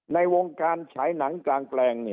ในวงการฉายหนังกลางแปลง